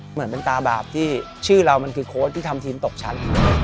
เหมือนเป็นตาบาปที่ชื่อเรามันคือโค้ชที่ทำทีมตกชั้น